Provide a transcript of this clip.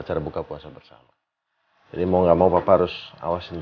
ke tengah siapa pun